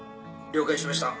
「了解しました。